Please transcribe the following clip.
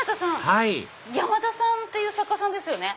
はい山田さんって作家さんですよね。